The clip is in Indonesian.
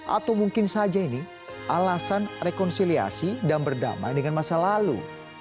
atau mungkin saja ini alasan rekonsiliasi dan berdamai dengan masa lalu